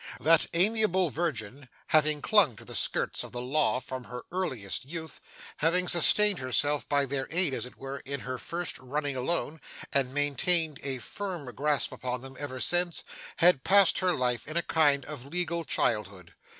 That amiable virgin, having clung to the skirts of the Law from her earliest youth; having sustained herself by their aid, as it were, in her first running alone, and maintained a firm grasp upon them ever since; had passed her life in a kind of legal childhood.